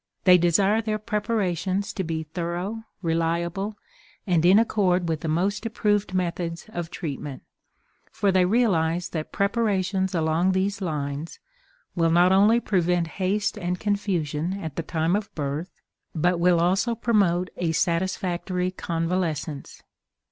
They desire their preparations to be thorough, reliable, and in accord with the most approved methods of treatment, for they realize that preparations along these lines will not only prevent haste and confusion at the time of birth, but will also promote a satisfactory convalescence.